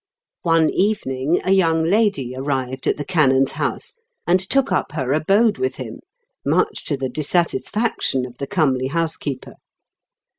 One evening a young lady arrived at the canon's house, and took up her abode with him, very much to the dissatis faction of the comely housekeeper.